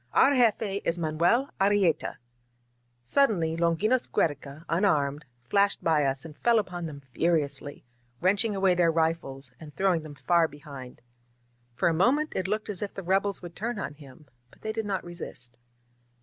Our jefe is Manuel Arrieta !" Suddenly Longinos Giiereca, unarmed, flashed by us and fell upon them furiously, wrenching away their rifles and throwing them far behind. For a moment it looked as if the rebels would turn on him, but they did not resist.